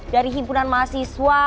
dari himpunan mahasiswa